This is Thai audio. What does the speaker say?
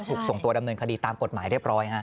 ถูกส่งตัวดำเนินคดีตามกฎหมายเรียบร้อยฮะ